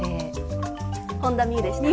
本田望結でした。